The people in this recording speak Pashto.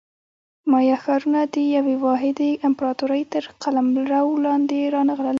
مایا ښارونه د یوې واحدې امپراتورۍ تر قلمرو لاندې رانغلل.